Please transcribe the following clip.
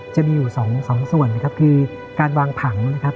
จะมีอยู่สองส่วนนะครับคือการวางผังนะครับ